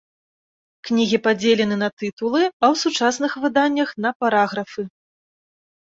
Кнігі падзелены на тытулы, а ў сучасных выданнях на параграфы.